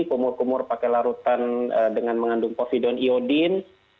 kumur kumur pakai larutan dengan mengandung povidone iodine